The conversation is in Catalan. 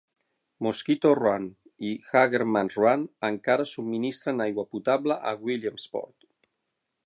Mosquito Run i Hagerman's Run encara subministren aigua potable a Williamsport.